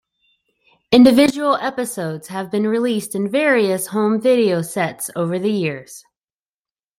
Individual episodes have been released in various home video sets over the years.